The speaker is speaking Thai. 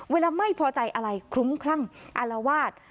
เวลาไม่พอใจอะไรคลุ้มคลั่งอารวาส